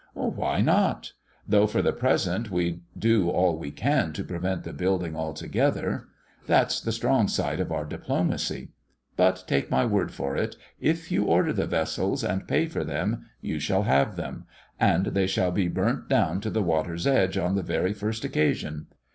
"Why not? Though for the present we do all we can to prevent the building altogether. That's the strong side of our diplomacy. But take my word for it, if you order the vessels, and pay for them, you shall have them, and they shall be burnt down to the water's edge on the very first occasion.